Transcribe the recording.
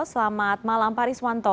selamat malam paris wanto